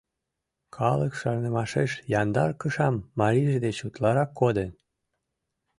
Калык шарнымашеш яндар кышам марийже деч утларак коден.